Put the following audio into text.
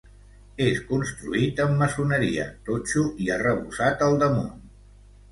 És construït amb maçoneria, totxo i arrebossat al damunt.